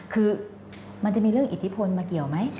คือมันจะมีเรื่องอิทธิพลมาเกี่ยวไหม